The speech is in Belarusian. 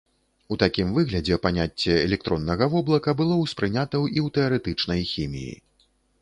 У такім выглядзе паняцце электроннага воблака было ўспрынята і ў тэарэтычнай хіміі.